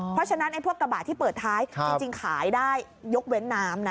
เพราะฉะนั้นพวกกระบะที่เปิดท้ายจริงขายได้ยกเว้นน้ำนะ